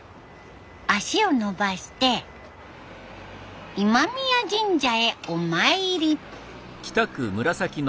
足を延ばして今宮神社へお参り。